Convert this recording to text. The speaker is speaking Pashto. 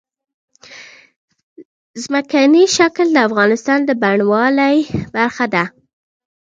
ځمکنی شکل د افغانستان د بڼوالۍ برخه ده.